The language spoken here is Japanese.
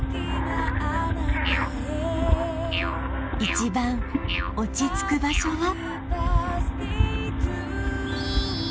一番落ち着く場所は